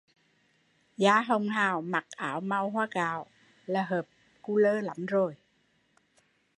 Da hồng hào mặc áo màu hoa gạo là hợp cu lơ lắm rồi